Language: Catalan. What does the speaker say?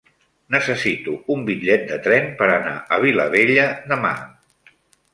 Necessito un bitllet de tren per anar a Vilabella demà.